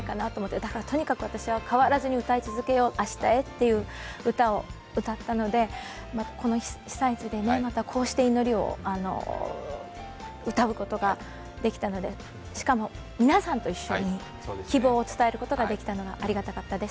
だからとにかく私は変わらず歌い続けよう「明日へ」ということで被災地でね、またこうして祈りを歌うことができたので、しかも皆さんと一緒に希望を伝えることができたのはありがたかったです。